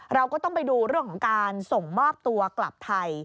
เราก็ต้องไปดูเรื่องของการส่งมอบตัวกลับไทย